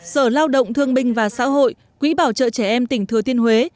sở lao động thương binh và xã hội quỹ bảo trợ trẻ em tỉnh thừa thiên huế